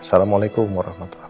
papa yang berpikir papa yang berpikir